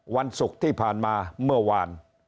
วันศุกร์ที่ผ่านมาเมื่อวาน